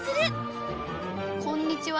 「こんにちは」